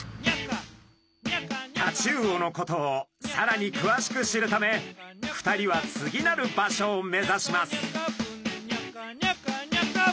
タチウオのことをさらにくわしく知るため２人は次なる場所を目指します。